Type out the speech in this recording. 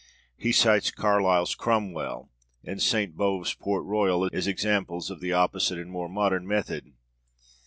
He cites Carlyle's Cromwell and Sainte Beuve's Port Royal as examples of the opposite and more modern method.